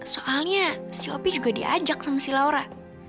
soalnya si opi juga diajak sama si laura